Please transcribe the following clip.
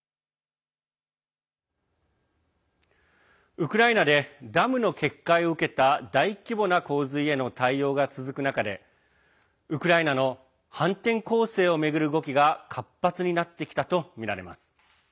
ウクライナでダムの決壊を受けた大規模な洪水への対応が続く中でウクライナの反転攻勢を巡る動きが活発になってきたとみられます。